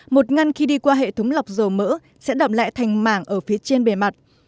một ngăn khi đi qua hệ thống lọc dầu mỡ sẽ đập lại thành mảng ở phía trên bề mặt